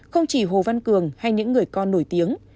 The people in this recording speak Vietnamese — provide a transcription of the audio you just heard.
không chỉ hồ văn cường hay những người con nổi tiếng